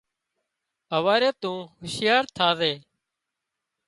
هواري تُون هُوشيار ٿازي